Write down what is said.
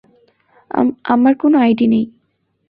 আম-আমার কোনো আইডি নেই।